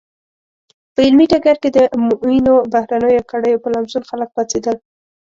په علمي ډګر کې د معینو بهرنیو کړیو په لمسون خلک پاڅېدل.